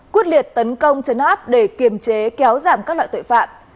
quyết liệt tấn công chấn áp để kiềm chế kéo giảm các loại tội phạm